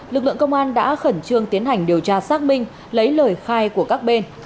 lực lượng công an đã khẩn trương tiến hành điều tra xác minh lấy lời khai của các bên